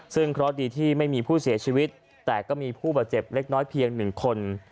ซึ่งเคราะห์ดีที่ไม่มีผู้เสียชีวิตแต่ก็มีผู้บาดเจ็บเล็กน้อยเพียง๑คน